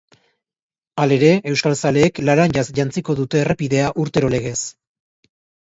Halere, euskal zaleek laranjaz jantziko dute errepidea urtero legez.